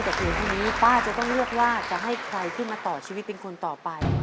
แต่เพียงเท่านี้ป้าจะต้องเลือกว่าจะให้ใครขึ้นมาต่อชีวิตเป็นคนต่อไป